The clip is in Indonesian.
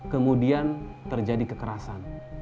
kemudian terjadi kekerasan